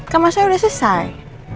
kan masa udah selesai